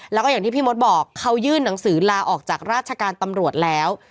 แล้วก็อย่างที่พี่มดบอกเขายื่นหนังสือลาออกจากราชการตำรวจแล้ว